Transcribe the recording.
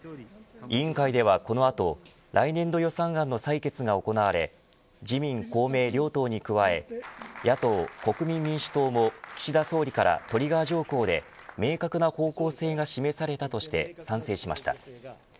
委員会ではこの後来年度予算案の採決が行われ自民、公明両党に加え野党、国民民主党も岸田総理からトリガー条項で明確な方向性が示されたとして賛成しました。